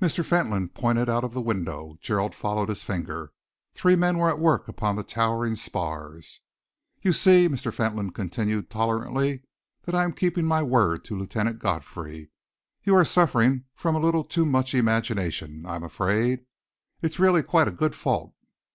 Mr. Fentolin pointed out of the window. Gerald followed his finger. Three men were at work upon the towering spars. "You see," Mr. Fentolin continued tolerantly, "that I am keeping my word to Lieutenant Godfrey. You are suffering from a little too much imagination, I am afraid. It is really quite a good fault.